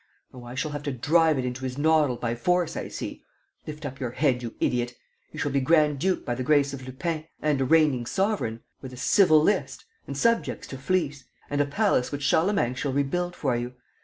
Oh, I shall have to drive it into his noddle by force, I see! Lift up your head, you idiot! You shall be grand duke by the grace of Lupin! And a reigning sovereign! With a civil list! And subjects to fleece! And a palace which Charlemagne shall rebuild for you!